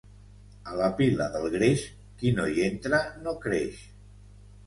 A la pila del greix, qui no hi entra no creix.